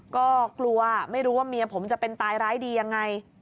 ก็กลัวไม่รู้ว่าเมียผมจะเป็นตายร้ายดียังไง